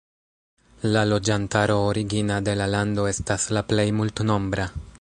La loĝantaro origina de la lando estas la plej multnombra.